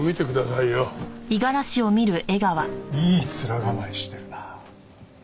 いい面構えしてるな。